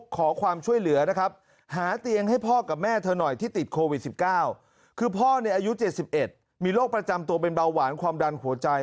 โควิด๑๙คือพ่อในอายุ๗๑มีโรคประจำตัวเป็นเบาหวานความดันหัวใจ